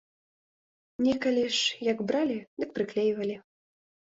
Некалі ж, як бралі, дык прыклейвалі.